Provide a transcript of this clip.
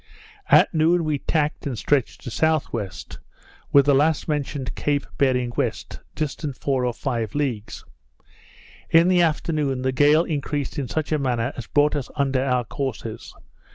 At noon, we tacked and stretched to S.W., with the last mentioned Cape bearing west, distant four or five leagues. In the afternoon, the gale increased in such a manner as brought us under our courses.